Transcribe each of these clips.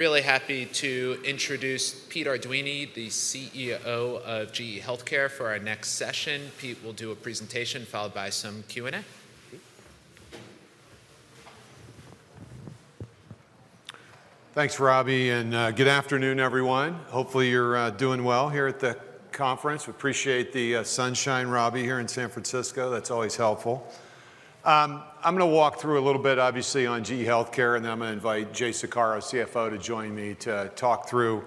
Really happy to introduce Peter Arduini, the CEO of GE HealthCare, for our next session. Pete will do a presentation followed by some Q and A. Thanks, Robbie, and good afternoon, everyone. Hopefully, you're doing well here at the conference. We appreciate the sunshine, Robbie, here in San Francisco. That's always helpful. I'm going to walk through a little bit, obviously, on GE HealthCare, and then I'm going to invite Jay Saccaro, CFO, to join me to talk through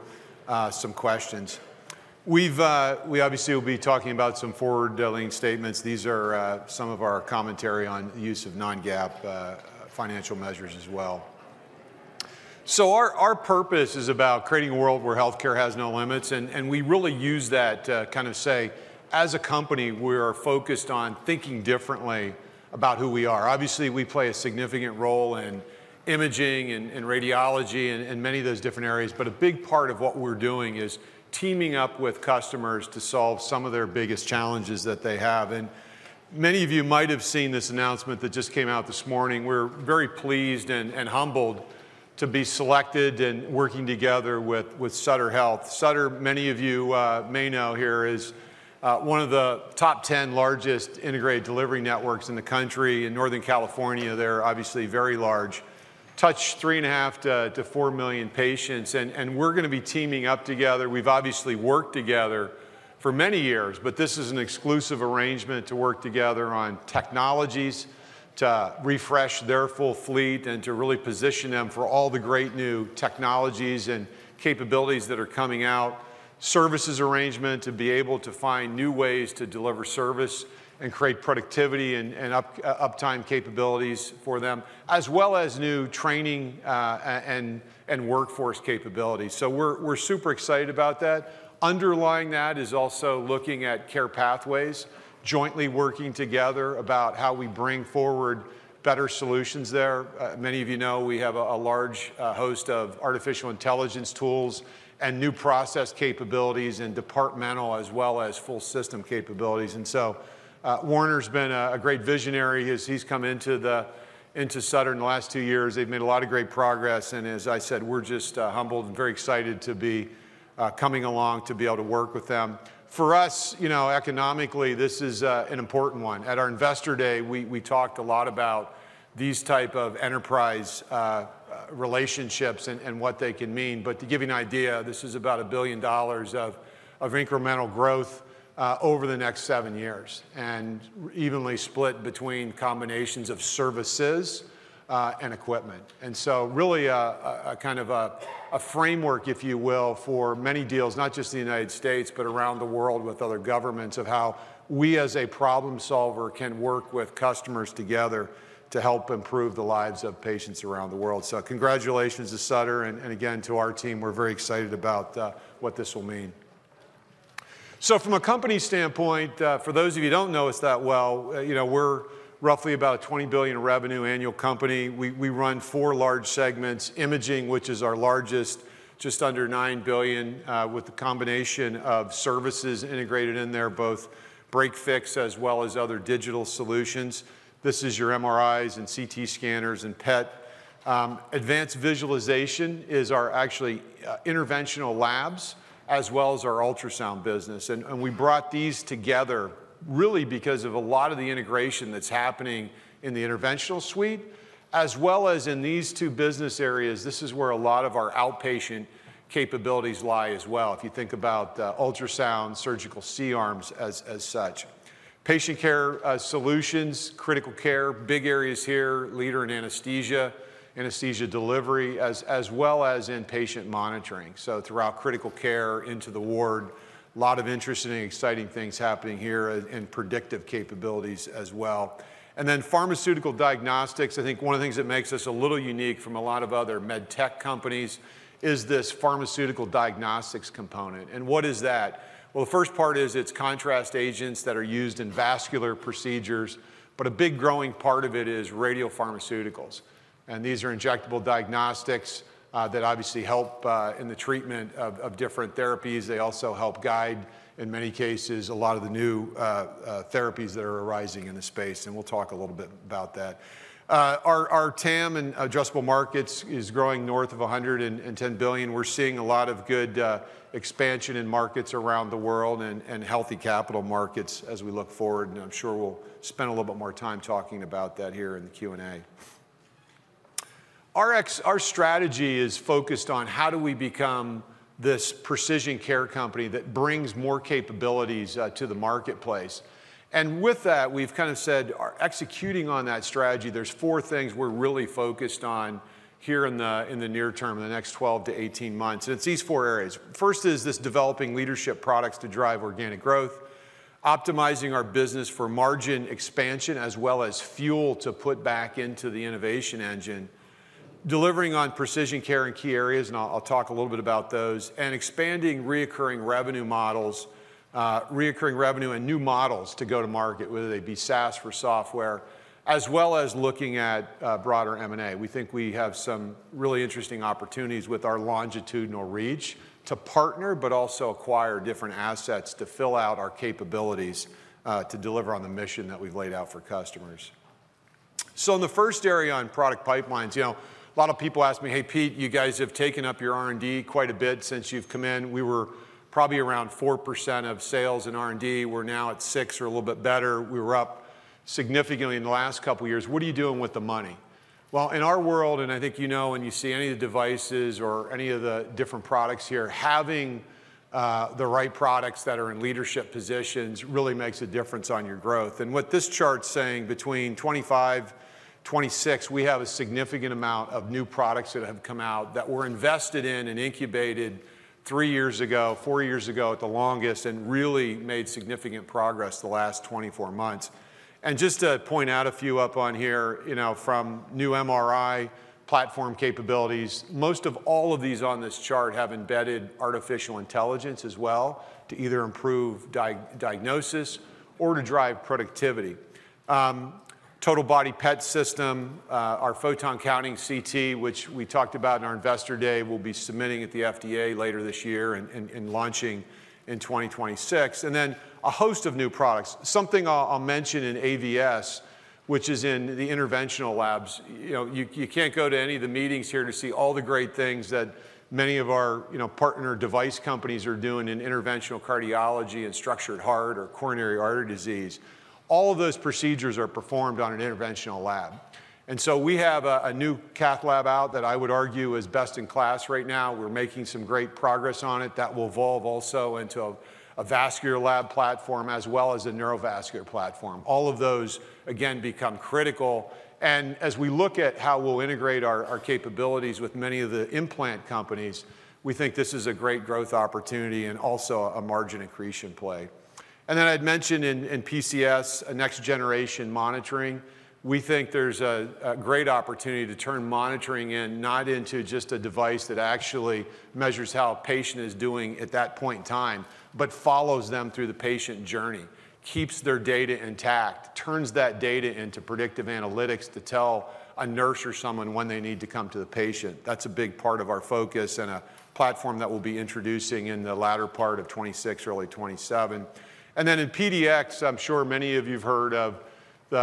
some questions. We obviously will be talking about some forward-looking statements. These are some of our commentary on the use of non-GAAP financial measures as well. So our purpose is about creating a world where healthcare has no limits, and we really use that to kind of say, as a company, we are focused on thinking differently about who we are. Obviously, we play a significant role in Imaging and radiology and many of those different areas, but a big part of what we're doing is teaming up with customers to solve some of their biggest challenges that they have. And many of you might have seen this announcement that just came out this morning. We're very pleased and humbled to be selected and working together with Sutter Health. Sutter, many of you may know here, is one of the top 10 largest integrated delivery networks in the country. In Northern California, they're obviously very large, touch 3.5 to 4 million patients, and we're going to be teaming up together. We've obviously worked together for many years, but this is an exclusive arrangement to work together on technologies to refresh their full fleet and to really position them for all the great new technologies and capabilities that are coming out, services arrangement to be able to find new ways to deliver service and create productivity and uptime capabilities for them, as well as new training and workforce capabilities, so we're super excited about that. Underlying that is also looking at care pathways, jointly working together about how we bring forward better solutions there. Many of you know we have a large host of artificial intelligence tools and new process capabilities and departmental as well as full system capabilities, and so Warner Thomas been a great visionary. He's come into Sutter in the last two years. They've made a lot of great progress, and as I said, we're just humbled and very excited to be coming along to be able to work with them. For us, economically, this is an important one. At our Investor Day, we talked a lot about these types of enterprise relationships and what they can mean. But to give you an idea, this is about $1 billion of incremental growth over the next seven years and evenly split between combinations of services and equipment. And so really a kind of a framework, if you will, for many deals, not just in the United States, but around the world with other governments, of how we as a problem solver can work with customers together to help improve the lives of patients around the world. So congratulations to Sutter, and again, to our team. We're very excited about what this will mean. From a company standpoint, for those of you who don't know us that well, we're roughly about a $20 billion revenue annual company. We run four large segments: Imaging, which is our largest, just under $9 billion, with a combination of services integrated in there, both break/fix as well as other digital solutions. This is your MRIs and CT scanners and PET. Advanced Visualization is our actually interventional labs as well as our ultrasound business. We brought these together really because of a lot of the integration that's happening in the interventional suite, as well as in these two business areas. This is where a lot of our outpatient capabilities lie as well. If you think about ultrasound, surgical C-arms as such, Patient Care Solutions, critical care, big areas here, leader in anesthesia, anesthesia delivery, as well as in patient monitoring. Throughout critical care into the ward, a lot of interesting and exciting things happening here in predictive capabilities as well. And then Pharmaceutical Diagnostics, I think one of the things that makes us a little unique from a lot of other Medtech companies is this Pharmaceutical Diagnostics component. And what is that? Well, the first part is it's contrast agents that are used in vascular procedures, but a big growing part of it is radiopharmaceuticals. And these are injectable diagnostics that obviously help in the treatment of different therapies. They also help guide, in many cases, a lot of the new therapies that are arising in the space, and we'll talk a little bit about that. Our TAM and addressable markets is growing north of $110 billion. We're seeing a lot of good expansion in markets around the world and healthy capital markets as we look forward, and I'm sure we'll spend a little bit more time talking about that here in the Q and A. Our strategy is focused on how do we become this Precision Care company that brings more capabilities to the marketplace, and with that, we've kind of said executing on that strategy, there's four things we're really focused on here in the near term, in the next 12 to 18 months, and it's these four areas. First is this developing leadership products to drive organic growth, optimizing our business for margin expansion as well as fuel to put back into the innovation engine, delivering on Precision Care in key areas, and I'll talk a little bit about those, and expanding recurring revenue models, recurring revenue and new models to go to market, whether they be SaaS or software, as well as looking at broader M&A. We think we have some really interesting opportunities with our longitudinal reach to partner, but also acquire different assets to fill out our capabilities to deliver on the mission that we've laid out for customers. So in the first area on product pipelines, a lot of people ask me, hey, Pete, you guys have taken up your R&D quite a bit since you've come in. We were probably around 4% of sales in R&D. We're now at 6% or a little bit better. We were up significantly in the last couple of years. What are you doing with the money? Well, in our world, and I think you know when you see any of the devices or any of the different products here, having the right products that are in leadership positions really makes a difference on your growth. And what this chart's saying, between 2025, 2026, we have a significant amount of new products that have come out that were invested in and incubated three years ago, four years ago at the longest, and really made significant progress the last 24 months. And just to point out a few up on here from new MRI platform capabilities, most of all of these on this chart have embedded artificial intelligence as well to either improve diagnosis or to drive productivity. Total Body PET system, our Photon Counting CT, which we talked about in our Investor Day, will be submitting at the FDA later this year and launching in 2026, and then a host of new products. Something I'll mention in AVS, which is in the interventional labs. You can't go to any of the meetings here to see all the great things that many of our partner device companies are doing in interventional cardiology and structured heart or coronary artery disease. All of those procedures are performed on an interventional lab, and so we have a new cath lab out that I would argue is best in class right now. We're making some great progress on it that will evolve also into a vascular lab platform as well as a neurovascular platform. All of those, again, become critical. And as we look at how we'll integrate our capabilities with many of the implant companies, we think this is a great growth opportunity and also a margin increase in play. And then I'd mentioned in PCS, next generation monitoring, we think there's a great opportunity to turn monitoring in, not into just a device that actually measures how a patient is doing at that point in time, but follows them through the patient journey, keeps their data intact, turns that data into predictive analytics to tell a nurse or someone when they need to come to the patient. That's a big part of our focus and a platform that we'll be introducing in the latter part of 2026, early 2027. And then in PDX, I'm sure many of you have heard of some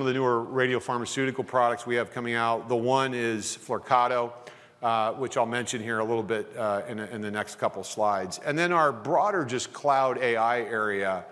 of the newer radiopharmaceutical products we have coming out. The one is Flyrcado, which I'll mention here a little bit in the next couple of slides. And then our broader just cloud AI area,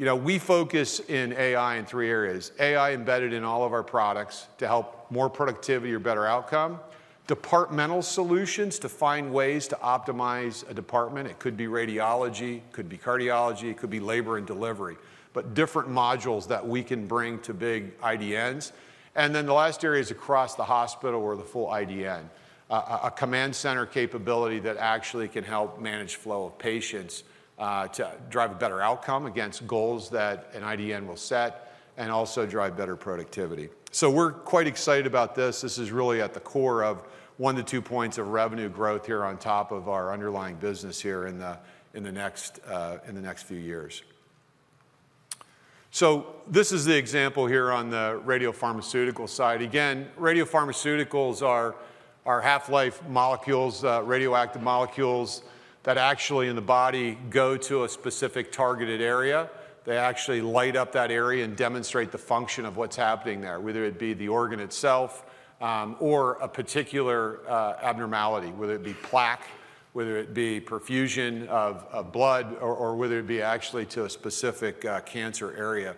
we focus in AI in three areas: AI embedded in all of our products to help more productivity or better outcome, departmental solutions to find ways to optimize a department. It could be radiology, it could be cardiology, it could be labor and delivery, but different modules that we can bring to big IDNs. And then the last area is across the hospital or the full IDN, a command center capability that actually can help manage flow of patients to drive a better outcome against goals that an IDN will set and also drive better productivity. So we're quite excited about this. This is really at the core of one-two points of revenue growth here on top of our underlying business here in the next few years. So this is the example here on the radiopharmaceutical side. Again, radiopharmaceuticals are half-life molecules, radioactive molecules that actually in the body go to a specific targeted area. They actually light up that area and demonstrate the function of what's happening there, whether it be the organ itself or a particular abnormality, whether it be plaque, whether it be perfusion of blood, or whether it be actually to a specific cancer area.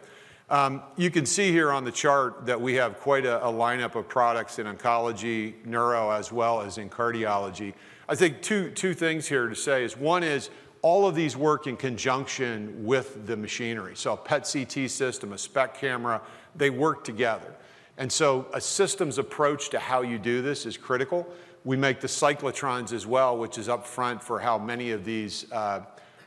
You can see here on the chart that we have quite a lineup of products in oncology, neuro, as well as in cardiology. I think two things here to say is one is all of these work in conjunction with the machinery. A PET CT system, a SPECT camera, they work together. A systems approach to how you do this is critical. We make the cyclotrons as well, which is upfront for how many of these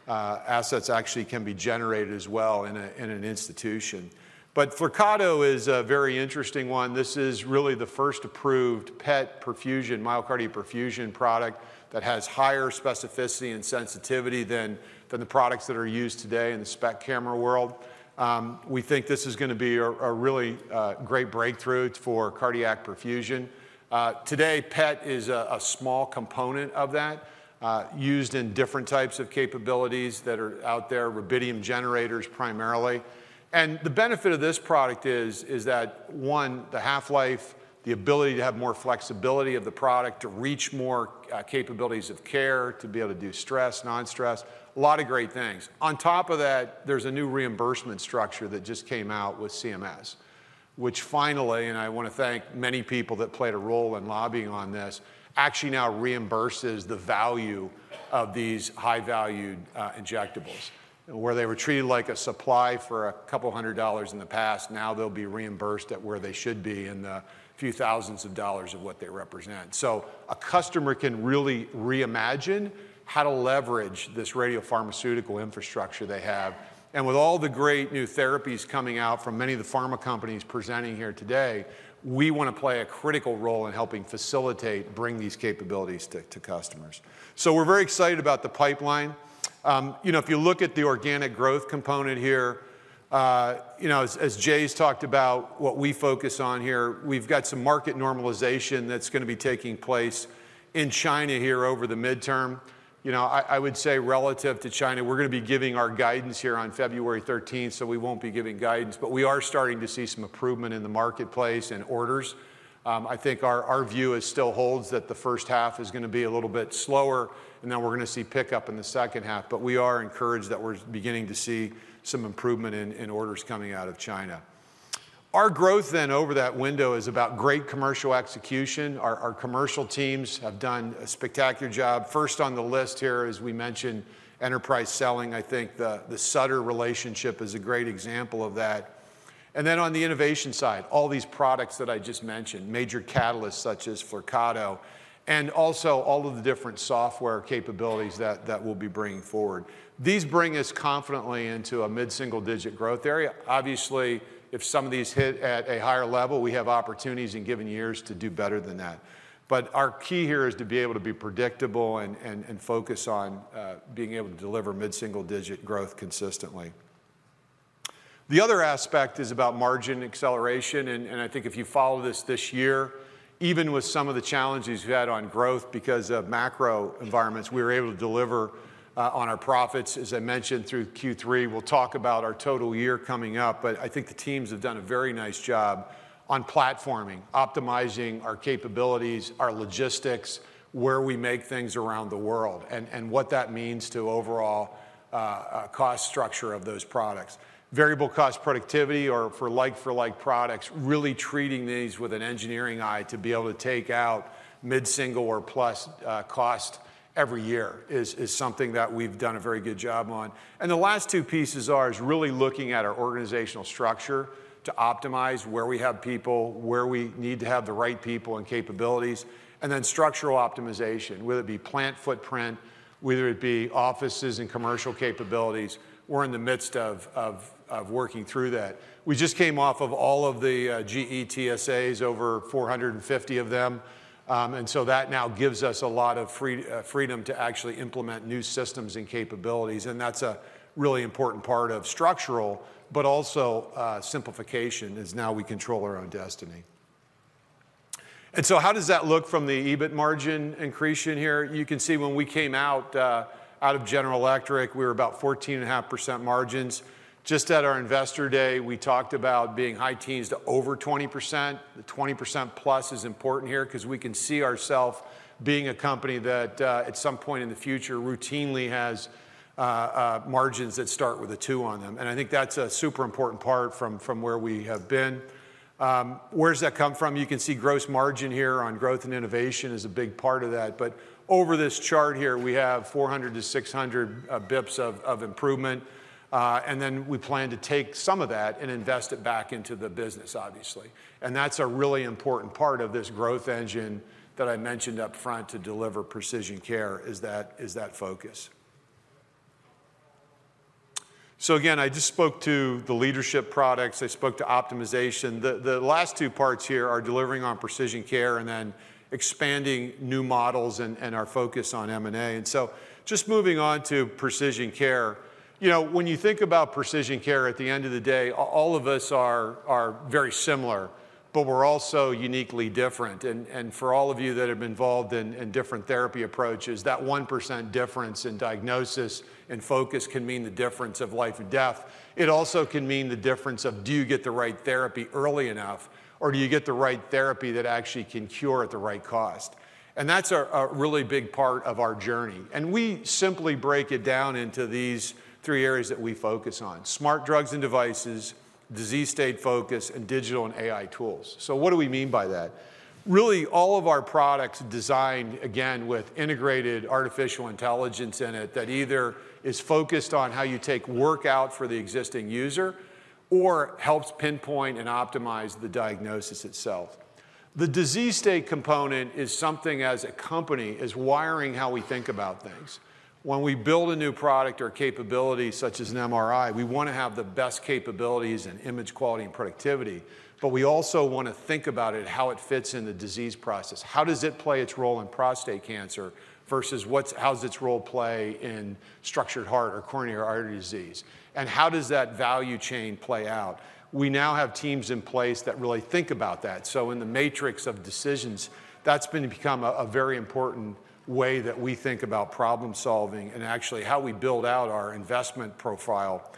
assets actually can be generated as well in an institution. Flyrcado is a very interesting one. This is really the first approved PET perfusion, myocardial perfusion product that has higher specificity and sensitivity than the products that are used today in the SPECT camera world. We think this is going to be a really great breakthrough for cardiac perfusion. Today, PET is a small component of that used in different types of capabilities that are out there, rubidium generators primarily. And the benefit of this product is that, one, the half-life, the ability to have more flexibility of the product to reach more capabilities of care, to be able to do stress, non-stress, a lot of great things. On top of that, there's a new reimbursement structure that just came out with CMS, which finally, and I want to thank many people that played a role in lobbying on this, actually now reimburses the value of these high-valued injectables. Where they were treated like a supply for a couple hundred dollars in the past, now they'll be reimbursed at where they should be in the few thousands of dollars of what they represent. So a customer can really reimagine how to leverage this radiopharmaceutical infrastructure they have. And with all the great new therapies coming out from many of the pharma companies presenting here today, we want to play a critical role in helping facilitate, bring these capabilities to customers. So we're very excited about the pipeline. If you look at the organic growth component here, as Jay's talked about, what we focus on here, we've got some market normalization that's going to be taking place in China here over the midterm. I would say relative to China, we're going to be giving our guidance here on February 13th, so we won't be giving guidance, but we are starting to see some improvement in the marketplace and orders. I think our view still holds that the first half is going to be a little bit slower, and then we're going to see pickup in the second half, but we are encouraged that we're beginning to see some improvement in orders coming out of China. Our growth then over that window is about great commercial execution. Our commercial teams have done a spectacular job. First on the list here, as we mentioned, enterprise selling. I think the Sutter relationship is a great example of that, and then on the innovation side, all these products that I just mentioned, major catalysts such as Flyrcado, and also all of the different software capabilities that we'll be bringing forward. These bring us confidently into a mid-single digit growth area. Obviously, if some of these hit at a higher level, we have opportunities in given years to do better than that. But our key here is to be able to be predictable and focus on being able to deliver mid-single digit growth consistently. The other aspect is about margin acceleration. And I think if you follow this year, even with some of the challenges we've had on growth because of macro environments, we were able to deliver on our profits, as I mentioned, through Q3. We'll talk about our total year coming up, but I think the teams have done a very nice job on platforming, optimizing our capabilities, our logistics, where we make things around the world, and what that means to overall cost structure of those products. Variable cost productivity or for like-for-like products, really treating these with an engineering eye to be able to take out mid-single or plus cost every year is something that we've done a very good job on. And the last two pieces are really looking at our organizational structure to optimize where we have people, where we need to have the right people and capabilities, and then structural optimization, whether it be plant footprint, whether it be offices and commercial capabilities. We're in the midst of working through that. We just came off of all of the GE TSAs, over 450 of them. And so that now gives us a lot of freedom to actually implement new systems and capabilities. And that's a really important part of structural, but also simplification is now we control our own destiny. And so how does that look from the EBIT margin increase in here? You can see when we came out of General Electric, we were about 14.5% margins. Just at our Investor Day, we talked about being high teens to over 20%. The 20% plus is important here because we can see ourselves being a company that at some point in the future routinely has margins that start with a two on them, and I think that's a super important part from where we have been. Where does that come from? You can see gross margin here on growth and innovation is a big part of that, but over this chart here, we have 400 to 600 basis points of improvement, and then we plan to take some of that and invest it back into the business, obviously, and that's a really important part of this growth engine that I mentioned upfront to deliver Precision Care is that focus, so again, I just spoke to the leadership products. I spoke to optimization. The last two parts here are delivering on Precision Care and then expanding new models and our focus on M&A. And so just moving on to Precision Care. When you think about Precision Care at the end of the day, all of us are very similar, but we're also uniquely different. And for all of you that have been involved in different therapy approaches, that 1% difference in diagnosis and focus can mean the difference of life and death. It also can mean the difference of do you get the right therapy early enough, or do you get the right therapy that actually can cure at the right cost? And that's a really big part of our journey. And we simply break it down into these three areas that we focus on: smart drugs and devices, disease state focus, and digital and AI tools. So what do we mean by that? Really, all of our products designed, again, with integrated artificial intelligence in it that either is focused on how you take work out for the existing user or helps pinpoint and optimize the diagnosis itself. The disease state component is something as a company is wiring how we think about things. When we build a new product or capability such as an MRI, we want to have the best capabilities and image quality and productivity, but we also want to think about it, how it fits in the disease process. How does it play its role in prostate cancer versus how does its role play in structural heart or coronary artery disease? And how does that value chain play out? We now have teams in place that really think about that. So in the matrix of decisions, that's become a very important way that we think about problem solving and actually how we build out our investment profile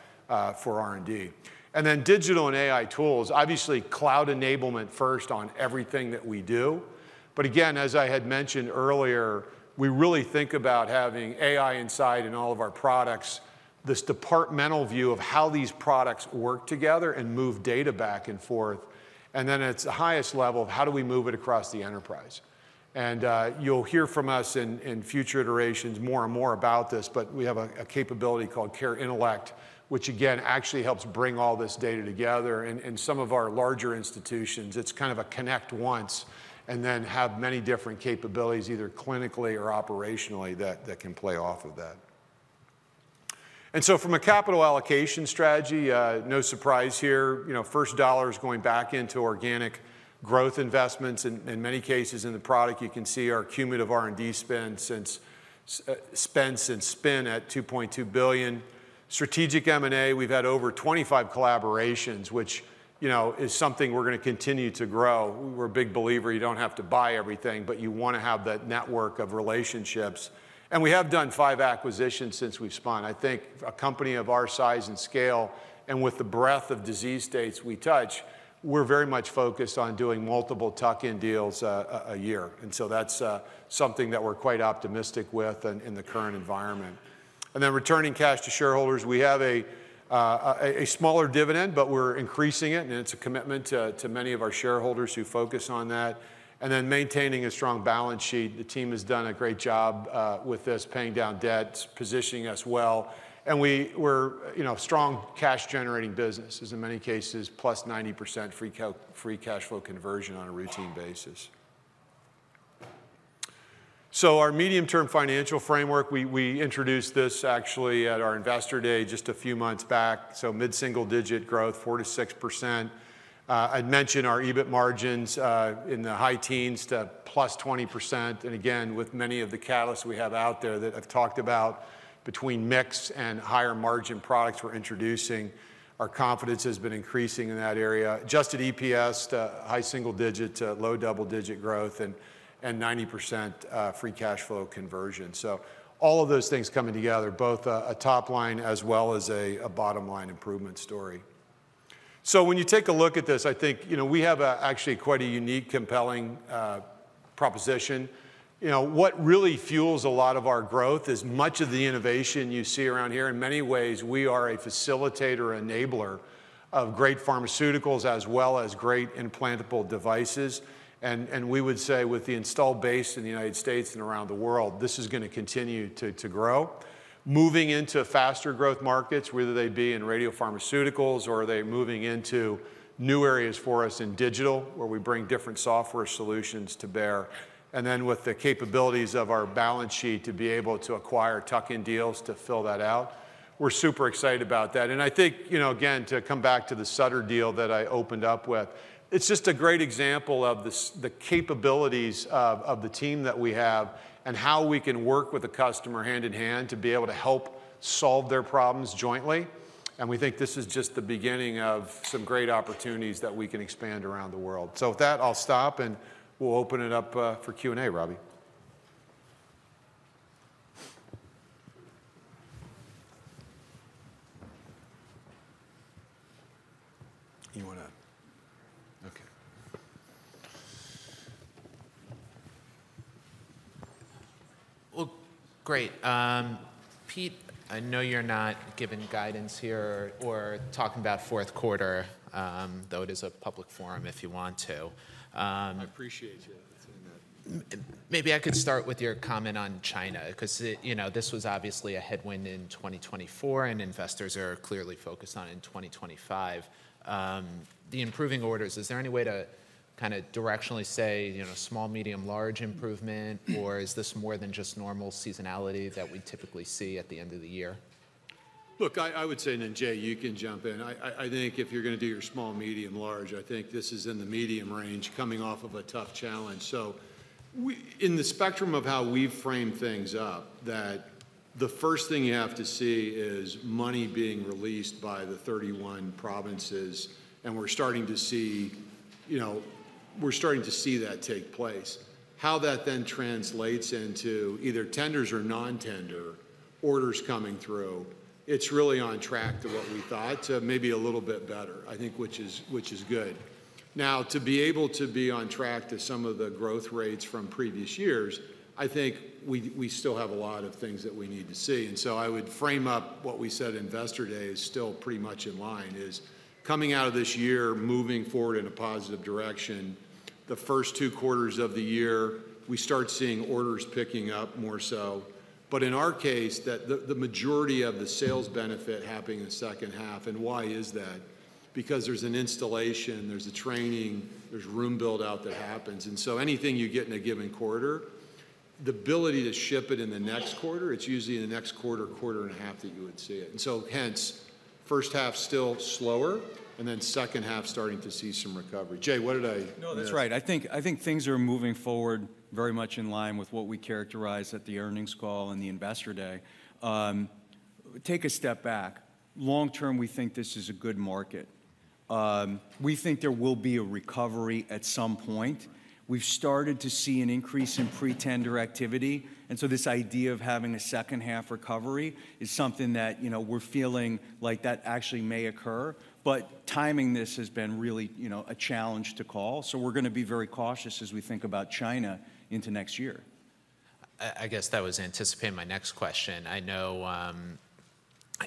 for R&D. And then digital and AI tools, obviously cloud enablement first on everything that we do. But again, as I had mentioned earlier, we really think about having AI inside in all of our products, this departmental view of how these products work together and move data back and forth. And then at the highest level, how do we move it across the enterprise? And you'll hear from us in future iterations more and more about this, but we have a capability called CareIntellect, which again, actually helps bring all this data together. In some of our larger institutions, it's kind of a connect once and then have many different capabilities, either clinically or operationally that can play off of that, and so from a capital allocation strategy, no surprise here. First dollar is going back into organic growth investments. In many cases in the product, you can see our cumulative R&D spend since spin at $2.2 billion. Strategic M&A, we've had over 25 collaborations, which is something we're going to continue to grow. We're a big believer you don't have to buy everything, but you want to have that network of relationships, and we have done five acquisitions since we've spun. I think a company of our size and scale and with the breadth of disease states we touch, we're very much focused on doing multiple tuck-in deals a year. And so that's something that we're quite optimistic with in the current environment. And then returning cash to shareholders, we have a smaller dividend, but we're increasing it, and it's a commitment to many of our shareholders who focus on that. And then maintaining a strong balance sheet, the team has done a great job with this paying down debts, positioning us well. And we're a strong cash-generating business in many cases, plus 90% free cash flow conversion on a routine basis. So our medium-term financial framework, we introduced this actually at our investor day just a few months back. So mid-single-digit growth, 4 to 6%. I'd mentioned our EBIT margins in the high teens to plus 20%. And again, with many of the catalysts we have out there that I've talked about between mix and higher margin products we're introducing, our confidence has been increasing in that area. Just at EPS to high single-digit to low double-digit growth and 90% free cash flow conversion, so all of those things coming together, both a top line as well as a bottom line improvement story. When you take a look at this, I think we have actually quite a unique, compelling proposition. What really fuels a lot of our growth is much of the innovation you see around here. In many ways, we are a facilitator enabler of great pharmaceuticals as well as great implantable devices, and we would say with the installed base in the United States and around the world, this is going to continue to grow. Moving into faster growth markets, whether they be in radiopharmaceuticals or they're moving into new areas for us in digital where we bring different software solutions to bear. And then with the capabilities of our balance sheet to be able to acquire tuck-in deals to fill that out, we're super excited about that. And I think, again, to come back to the Sutter deal that I opened up with, it's just a great example of the capabilities of the team that we have and how we can work with the customer hand in hand to be able to help solve their problems jointly. And we think this is just the beginning of some great opportunities that we can expand around the world. So with that, I'll stop and we'll open it up for Q and A, Robbie. You want to? Okay. Well, great. Pete, I know you're not giving guidance here or talking about fourth quarter, though it is a public forum if you want to. I appreciate you saying that. Maybe I could start with your comment on China because this was obviously a headwind in 2024 and investors are clearly focused on in 2025. The improving orders, is there any way to kind of directionally say small, medium, large improvement, or is this more than just normal seasonality that we typically see at the end of the year? `Look, I would say, and then Jay, you can jump in. I think if you're going to do your small, medium, large, I think this is in the medium range coming off of a tough challenge. So in the spectrum of how we frame things up, the first thing you have to see is money being released by the 31 provinces, and we're starting to see that take place. How that then translates into either tenders or non-tender orders coming through, it's really on track to what we thought, maybe a little bit better, I think, which is good. Now, to be able to be on track to some of the growth rates from previous years, I think we still have a lot of things that we need to see. And so I would frame up what we said Investor Day is still pretty much in line is coming out of this year, moving forward in a positive direction. The first two quarters of the year, we start seeing orders picking up more so. But `in our case, the majority of the sales benefit happening in the second half. And why is that? Because there's an installation, there's a training, there's room build-out that happens. So anything you get in a given quarter, the ability to ship it in the next quarter, it's usually in the next quarter, quarter and a half that you would see it. Hence, first half still slower and then second h`alf starting to see some recovery. Jay, what did I? No, that's right. I think things are moving forward very much in line with what we characterized at the earnings call and the Investor Day. Take a step back. Long term, we think this is a good market. We think there will be a recovery at some point. We've started to see an increase in pre-tender activity. This idea of having a second half recovery is something that we're feeling like that actually may occur. But timing this has been really a challenge to call. So we're going to be very cautious as we think about China into next year. I guess that was anticipating my next question. I know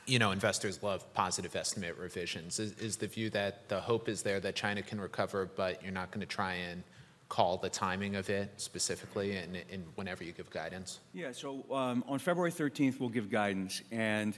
investors love positive estimate revisions. Is the view that the hope is there that China can recover, but you're not going to try and call the timing of it specifically and whenever you give guidance? Yeah. So on February 13th, we'll give guidance. And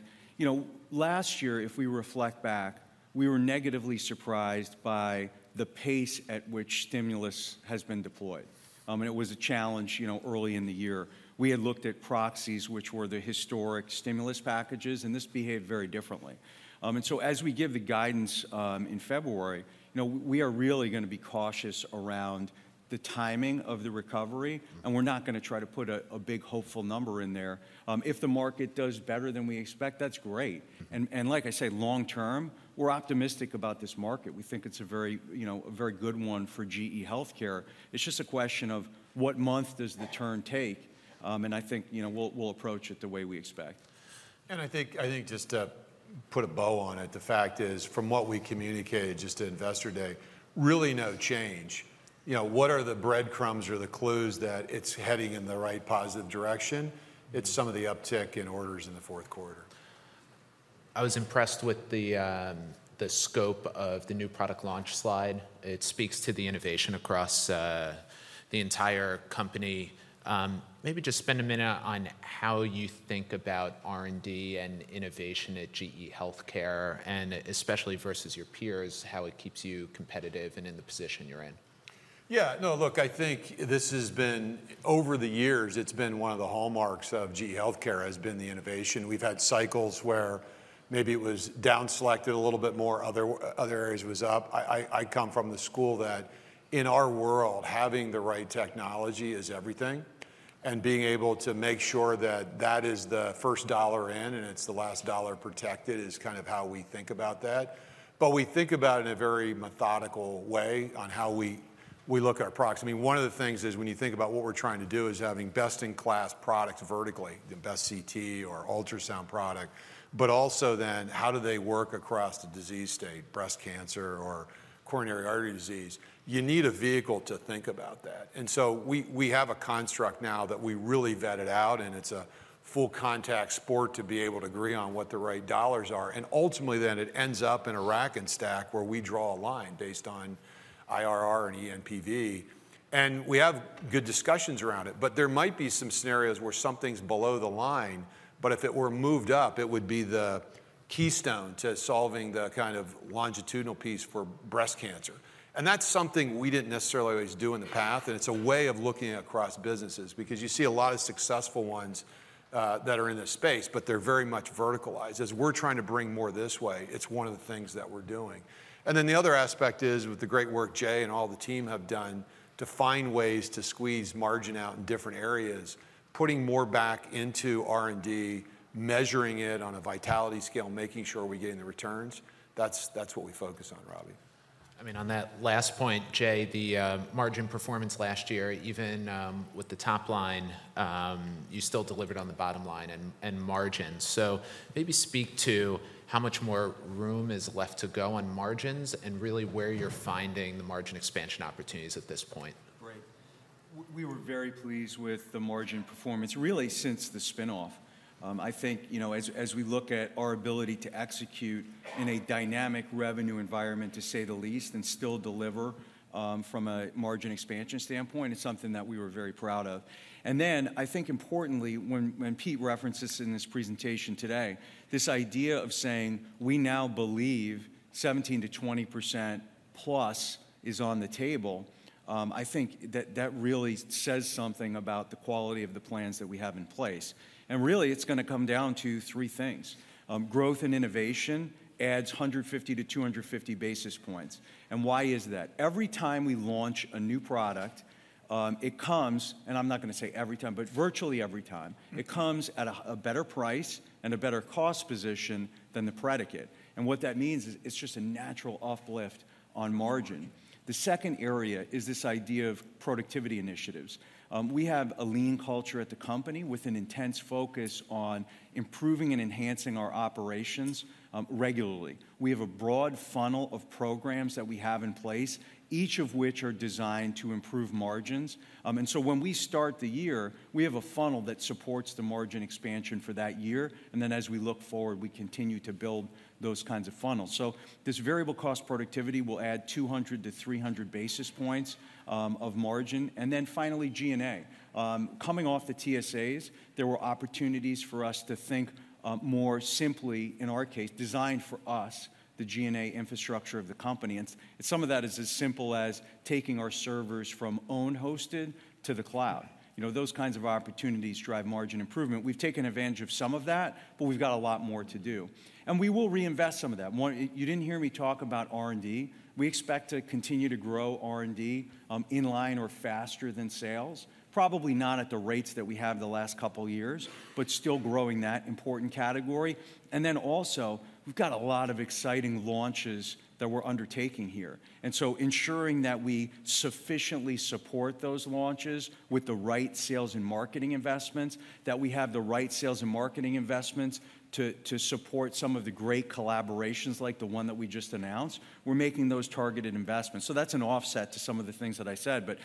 last year, if we reflect back, we were negatively surprised by the pace at which stimulus has been deployed. And it was a challenge early in the year. We had looked at proxies, which were the historic stimulus packages, and this behaved very differently. And so as we give the guidance in February, we are really going to be cautious around the timing of the recovery, and we're not going to try to put a big hopeful number in there. If the market does better than we expect, that's great, and like I say, long term, we're optimistic about this market. We think it's a very good one for GE HealthCare. It's just a question of what month does the turn take? I think we'll approach it the way we expect. And I think just to put a bow on it, the fact is from what we communicated just at Investor Day, really no change. What are the breadcrumbs or the clues that it's heading in the right positive direction? It's some of the uptick in orders in the fourth quarter. I was impressed with the scope of the new product launch slide. It speaks to the innovation across the entire company. Maybe just spend a minute on how you think about R&D and innovation at GE HealthCare, and especially versus your peers, how it keeps you competitive and in the position you're in. Yeah. No, look, I think this has been over the years, it's been one of the hallmarks of GE HealthCare has been the innovation. We've had cycles where maybe it was downselected a little bit more, other areas was up. I come from the school that in our world, having the right technology is everything. And being able to make sure that that is the first dollar in and it's the last dollar protected is kind of how we think about that. But we think about it in a very methodical way on how we look at our products. I mean, one of the things is when you think about what we're trying to do is having best-in-class products vertically, the best CT or ultrasound product, but also then how do they work across the disease state, breast cancer or coronary artery disease? You need a vehicle to think about that. We have a construct now that we really vetted out, and it's a full contact sport to be able to agree on what the right dollars are. Ultimately then it ends up in a rack and stack where we draw a line based on IRR and ENPV. We have good discussions around it, but there might be some scenarios where something's below the line, but if it were moved up, it would be the keystone to solving the kind of longitudinal piece for breast cancer. That's something we didn't necessarily always do in the past. It's a way of looking across businesses because you see a lot of successful ones that are in this space, but they're very much verticalized. As we're trying to bring more this way, it's one of the things that we're doing. Then the other aspect is with the great work Jay and all the team have done to find ways to squeeze margin out in different areas, putting more back into R&D, measuring it on a vitality scale, making sure we're getting the returns. That's what we focus on, Robbie. I mean, on that last point, Jay, the margin performance last year, even with the top line, you still delivered on the bottom line and margins. So maybe speak to how much more room is left to go on margins and really where you're finding the margin expansion opportunities at this point? Great. We were very pleased with the margin performance really since the spinoff. I think as we look at our ability to execute in a dynamic revenue environment, to say the least, and still deliver from a margin expansion standpoint, it's something that we were very proud of, and then I think importantly, when Pete references in this presentation today, this idea of saying we now believe 17% to 20% plus is on the table, I think that that really says something about the quality of the plans that we have in place, and really it's going to come down to three things. Growth and innovation adds 150 to 250 basis points, and why is that? Every time we launch a new product, it comes, and I'm not going to say every time, but virtually every time, it comes at a better price and a better cost position than the predicate. And what that means is it's just a natural uplift on margin. The second area is this idea of productivity initiatives. We have a lean culture at the company with an intense focus on improving and enhancing our operations regularly. We have a broad funnel of programs that we have in place, each of which are designed to improve margins. And so when we start the year, we have a funnel that supports the margin expansion for that year. And then as we look forward, we continue to build those kinds of funnels. So this variable cost productivity will add 200 to 300 basis points of margin. And then finally, G&A. Coming off the TSAs, there were opportunities for us to think more simply, in our case, designed for us, the G&A infrastructure of the company, and some of that is as simple as taking our servers from own hosted to the cloud. Those kinds of opportunities drive margin improvement. We've taken advantage of some of that, but we've got a lot more to do, and we will reinvest some of that. You didn't hear me talk about R&D. We expect to continue to grow R&D in line or faster than sales. Probably not at the rates that we have the last couple of years, but still growing that important category, and then also we've got a lot of exciting launches that we're undertaking here. And so ensuring that we sufficiently support those launches with the right sales and marketing investments, that we have the right sales and marketing investments to support some of the great collaborations like the one that we just announced, we're making those targeted investments, so that's an offset to some of the things that I said, but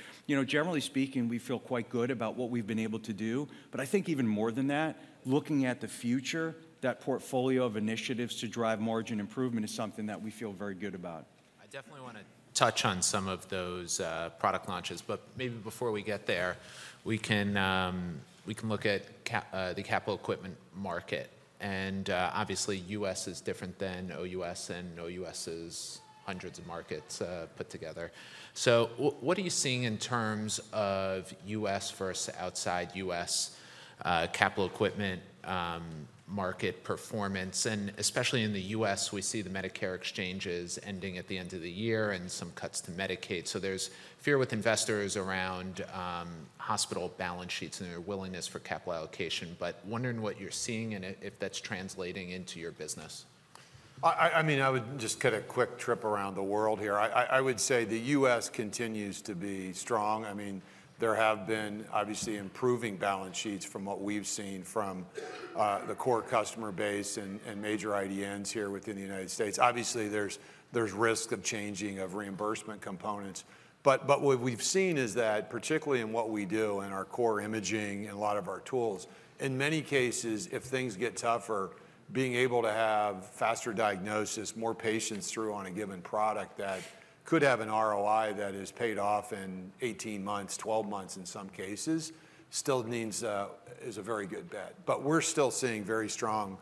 generally speaking, we feel quite good about what we've been able to do, but I think even more than that, looking at the future, that portfolio of initiatives to drive margin improvement is something that we feel very good about. I definitely want to touch on some of those product launches, but maybe before we get there, we can look at the capital equipment market, and obviously, U.S. is different than OUS and OUS's hundreds of markets put together. So what are you seeing in terms of U.S. versus outside U.S. capital equipment market performance? And especially in the U.S., we see the Medicare extenders ending at the end of the year and some cuts to Medicaid. So there's fear with investors around hospital balance sheets and their willingness for capital allocation, but wondering what you're seeing and if that's translating into your business. I mean, I would just get a quick trip around the world here. I would say the U.S. continues to be strong. I mean, there have been obviously improving balance sheets from what we've seen from the core customer base and major IDNs here within the United States. Obviously, there's risk of changing of reimbursement components. But what we've seen is that particularly in what we do and our core imaging and a lot of our tools, in many cases, if things get tougher, being able to have faster diagnosis, more patients through on a given product that could have an ROI that is paid off in 18 months, 12 months in some cases, still means is a very good bet. But we're still seeing very strong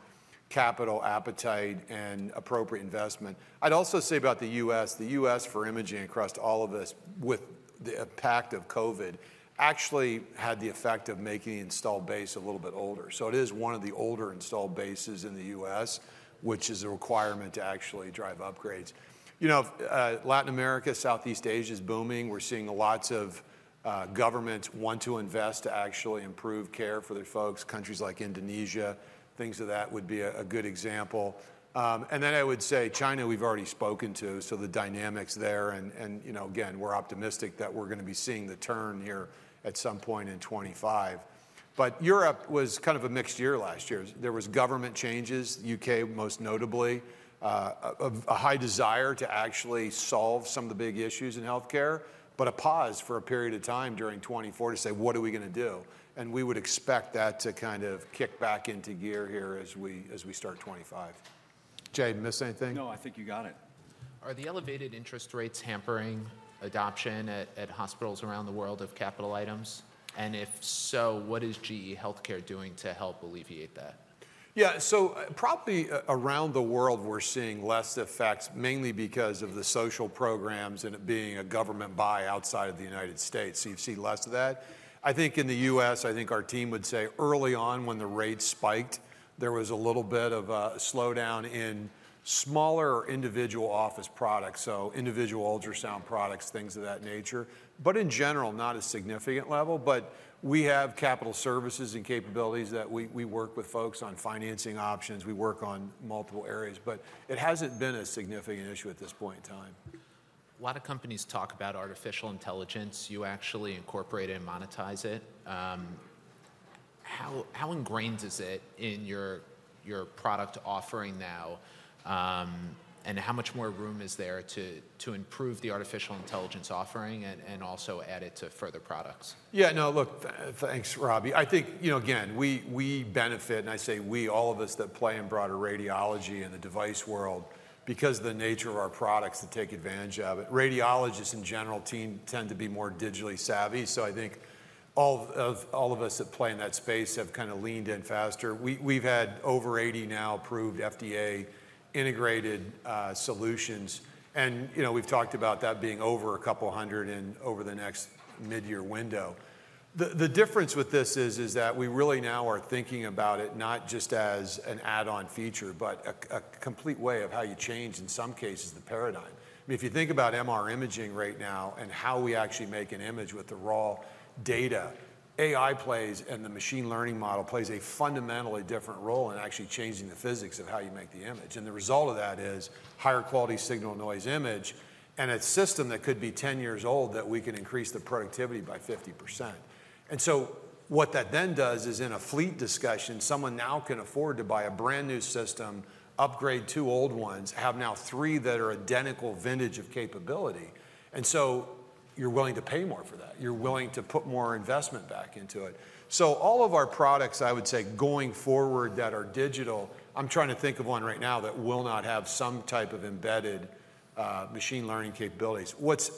capital appetite and appropriate investment. I'd also say about the U.S., the U.S. for imaging across all of us with the impact of COVID actually had the effect of making the installed base a little bit older. So it is one of the older installed bases in the U.S., which is a requirement to actually drive upgrades. Latin America, Southeast Asia is booming. We're seeing lots of governments want to invest to actually improve care for their folks. Countries like Indonesia, things of that would be a good example. Then I would say China, we've already spoken to. So the dynamics there. And again, we're optimistic that we're going to be seeing the turn here at some point in 2025. But Europe was kind of a mixed year last year. There were government changes, the U.K. most notably, a high desire to actually solve some of the big issues in healthcare, but a pause for a period of time during 2024 to say, what are we going to do? And we would expect that to kind of kick back into gear here as we start 2025. Jay, miss anything? No, I think you got it. Are the elevated interest rates hampering adoption at hospitals around the world of capital items? And if so, what is GE HealthCare doing to help alleviate that? Yeah. So probably around the world, we're seeing less effects, mainly because of the social programs and it being a government buy outside of the United States. So you've seen less of that. I think in the U.S., I think our team would say early on when the rates spiked, there was a little bit of a slowdown in smaller individual office products. So individual ultrasound products, things of that nature. But in general, not a significant level. But we have capital services and capabilities that we work with folks on financing options. We work on multiple areas, but it hasn't been a significant issue at this point in time. A lot of companies talk about artificial intelligence. You actually incorporate it and monetize it. How ingrained is it in your product offering now? And how much more room is there to improve the artificial intelligence offering and also add it to further products? Yeah. No, look, thanks, Robbie. I think, again, we benefit, and I say we, all of us that play in broader radiology and the device world, because of the nature of our products that take advantage of it. Radiologists in general tend to be more digitally savvy. So I think all of us that play in that space have kind of leaned in faster. We've had over 80 now approved FDA integrated solutions. And we've talked about that being over a couple hundred in over the next mid-year window. The difference with this is that we really now are thinking about it not just as an add-on feature, but a complete way of how you change in some cases the paradigm. I mean, if you think about MRI right now and how we actually make an image with the raw data, AI plays and the machine learning model plays a fundamentally different role in actually changing the physics of how you make the image. And the result of that is higher quality signal noise image and a system that could be 10 years old that we can increase the productivity by 50%. And so what that then does is in a fleet discussion, someone now can afford to buy a brand new system, upgrade two old ones, have now three that are identical vintage of capability. And so you're willing to pay more for that. You're willing to put more investment back into it. So all of our products, I would say going forward that are digital, I'm trying to think of one right now that will not have some type of embedded machine learning capabilities. What's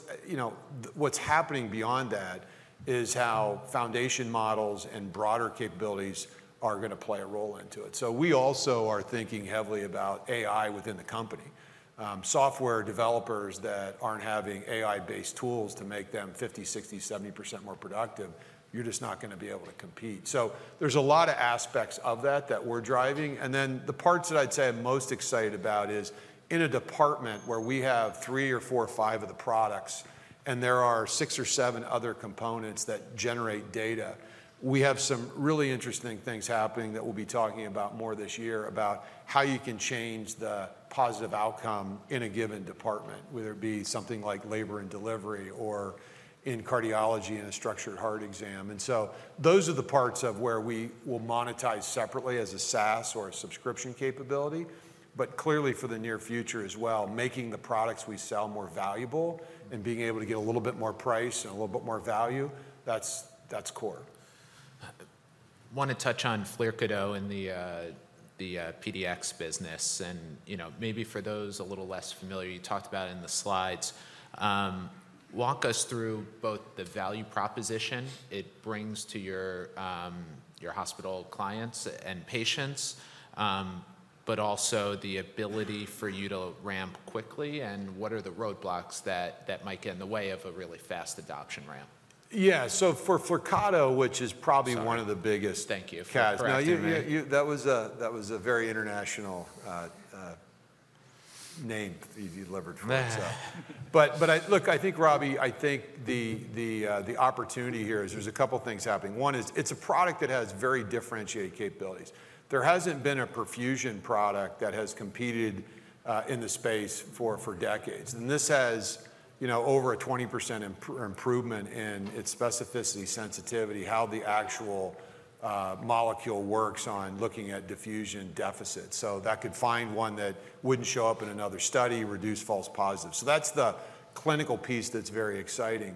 happening beyond that is how foundation models and broader capabilities are going to play a role into it. So we also are thinking heavily about AI within the company. Software developers that aren't having AI-based tools to make them 50%, 60%, 70% more productive, you're just not going to be able to compete. So there's a lot of aspects of that that we're driving. And then the parts that I'd say I'm most excited about is in a department where we have three or four or five of the products and there are six or seven other components that generate data. We have some really interesting things happening that we'll be talking about more this year about how you can change the positive outcome in a given department, whether it be something like labor and delivery or in cardiology in a structured heart exam. And so those are the parts of where we will monetize separately as a SaaS or a subscription capability. But clearly for the near future as well, making the products we sell more valuable and being able to get a little bit more price and a little bit more value, that's core. I want to touch on Flyrcado in the PDX business. And maybe for those a little less familiar, you talked about it in the slides. Walk us through both the value proposition it brings to your hospital clients and patients, but also the ability for you to ramp quickly and what are the roadblocks that might get in the way of a really fast adoption ramp? Yeah. So for Flyrcado, which is probably one of the biggest. Thank you. Now, that was a very international name you delivered for us. But look, I think, Robbie, I think the opportunity here is there's a couple of things happening. One is it's a product that has very differentiated capabilities. There hasn't been a perfusion product that has competed in the space for decades. And this has over a 20% improvement in its specificity, sensitivity, how the actual molecule works on looking at perfusion deficits. So that could find one that wouldn't show up in another study, reduce false positives. So that's the clinical piece that's very exciting.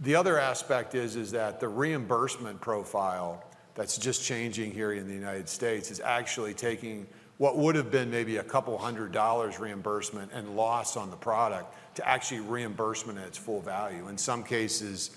The other aspect is that the reimbursement profile that's just changing here in the United States is actually taking what would have been maybe a couple hundred dollars reimbursement and loss on the product to actually reimbursement at its full value. In some cases,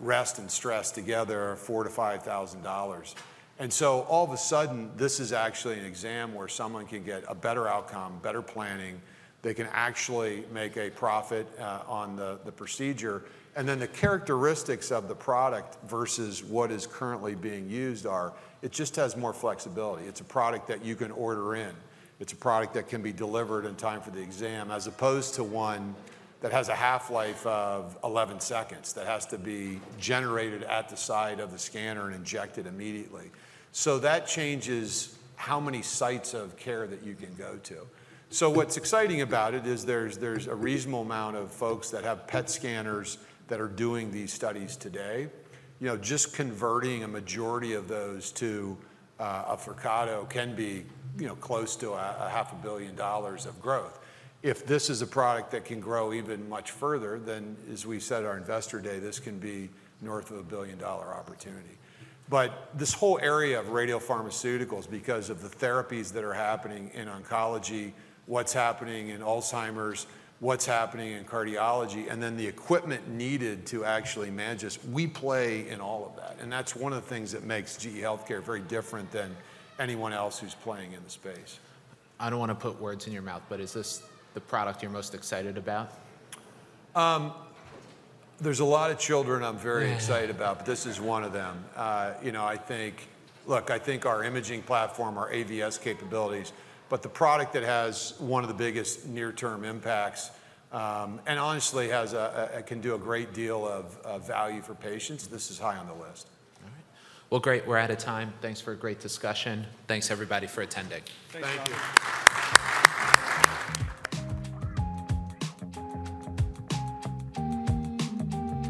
rest and stress together, $4,000 to $5,000. And so all of a sudden, this is actually an exam where someone can get a better outcome, better planning. They can actually make a profit on the procedure. And then the characteristics of the product versus what is currently being used are, it just has more flexibility. It's a product that you can order in. It's a product that can be delivered in time for the exam as opposed to one that has a half-life of 11 seconds that has to be generated at the side of the scanner and injected immediately. So that changes how many sites of care that you can go to. So what's exciting about it is there's a reasonable amount of folks that have PET scanners that are doing these studies today. Just converting a majority of those to a Flyrcado can be close to $500 million of growth. If this is a product that can grow even much further, then as we said at our Investor Day, this can be north of $1 billion opportunity. But this whole area of radiopharmaceuticals, because of the therapies that are happening in oncology, what's happening in Alzheimer's, what's happening in cardiology, and then the equipment needed to actually manage this, we play in all of that. And that's one of the things that makes GE HealthCare very different than anyone else who's playing in the space. I don't want to put words in your mouth, but is this the product you're most excited about? There's a lot of them I'm very excited about, but this is one of them. I think, look, I think our imaging platform, our AWS capabilities, but the product that has one of the biggest near-term impacts and honestly can do a great deal of value for patients, this is high on the list. All right. Well, great. We're out of time. Thanks for a great discussion. Thanks, everybody, for attending. Thank you.